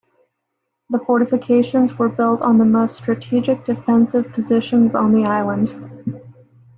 The fortifications were built on the most strategic defensive positions on the island.